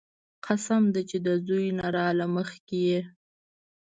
قسم دې چې د زوى نه راله مخکې يې.